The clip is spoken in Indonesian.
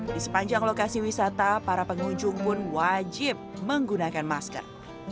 di sepanjang lokasi wisata para pengunjung pun wajib menggunakan masker